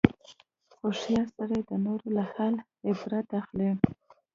هوښیار سړی د نورو له حاله عبرت اخلي.